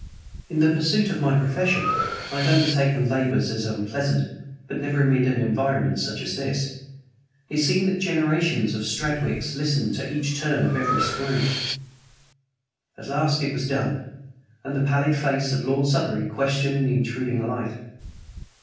In the pursuit of my profession I had undertaken labors as unpleasant, but never amid an environment such as this. It seemed that generations of Stradwicks listened to each turn of every screw. At last it was done, and the pallid face of Lord Southery questioned the intruding light.